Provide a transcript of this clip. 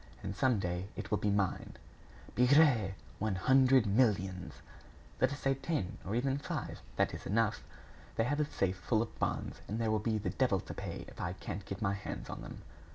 And some day it will be mine." "Bigre! One hundred millions!" "Let us say ten, or even five that is enough! They have a safe full of bonds, and there will be the devil to pay if I can't get my hands on them."